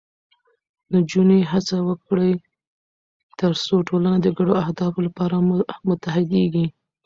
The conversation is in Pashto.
نجونې هڅه وکړي، ترڅو ټولنه د ګډو اهدافو لپاره متحدېږي.